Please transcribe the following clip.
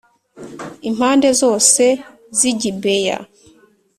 impande zose z i Gibeya